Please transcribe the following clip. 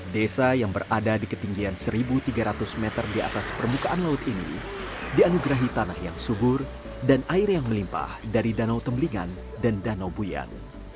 desa yang berada di ketinggian satu tiga ratus meter di atas permukaan laut ini dianugerahi tanah yang subur dan air yang melimpah dari danau tembelingan dan danau buyan